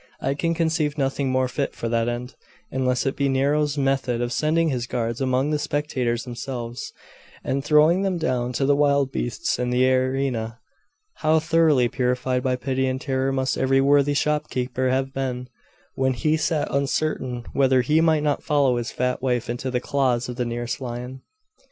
I can conceive nothing more fit for that end, unless it be Nero's method of sending his guards among the spectators themselves, and throwing them down to the wild beasts in the arena. How thoroughly purified by pity and terror must every worthy shopkeeper have been, when he sat uncertain whether he might not follow his fat wife into the claws of the nearest lion!